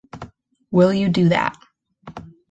Will you do that?